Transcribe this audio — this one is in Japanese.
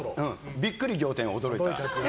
びっくり仰天驚いた。